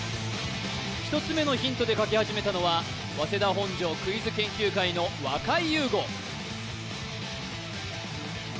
１つ目のヒントで書き始めたのは早稲田本庄クイズ研究会の若井優吾